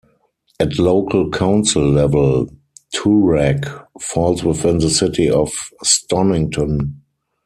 At local council level, Toorak falls within the City of Stonnington.